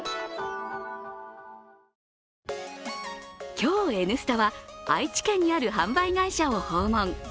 今日「Ｎスタ」は、愛知県にある販売会社を訪問。